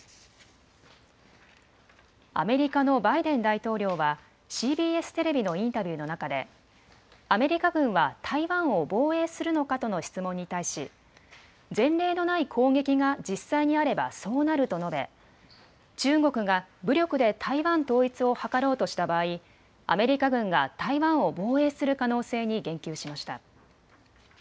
アメリカのバイデン大統領はＣＢＳテレビのインタビューの中でアメリカ軍は台湾を防衛するのかとの質問に対し、前例のない攻撃が実際にあればそうなると述べ、中国が武力で台湾統一を図ろうとした場合、アメリカ軍が台湾を防衛する可能性に言及しました。